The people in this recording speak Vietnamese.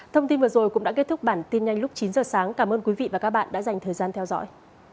thông tin vừa rồi cũng đã kết thúc bản tin nhanh lúc chín giờ sáng cảm ơn quý vị và các bạn đã dành thời gian theo dõi